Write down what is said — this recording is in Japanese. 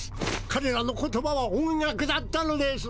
彼らの言葉は音楽だったのです！